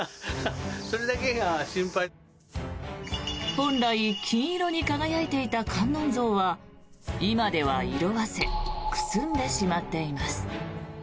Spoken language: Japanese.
本来、金色に輝いていた観音像は今では色あせくすんでしまっています。